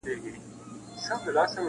• چي پردۍ فتوا وي هېره محتسب وي تښتېدلی -